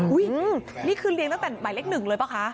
นี่คือเลี้ยงตั้งแต่หมายเลขหนึ่งเลยป่ะคะ